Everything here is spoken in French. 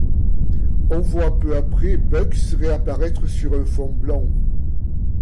On voit peu après Bugs réapparaitre sur un fond blanc.